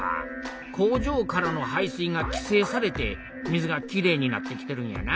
工場からの排水がきせいされて水がきれいになってきてるんやな。